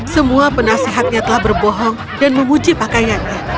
semua penasehatnya telah berbohong dan memuji pakaiannya